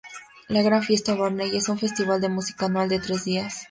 La Gran Fiesta Barney es un festival de música anual de tres días.